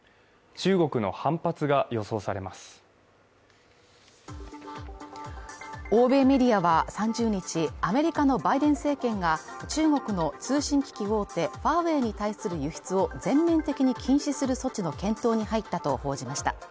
中国の反発が予想されます欧米メディアは３０日アメリカのバイデン政権が中国の通信機器大手ファーウェイに対する輸出を全面的に禁止する措置の検討に入ったと報じました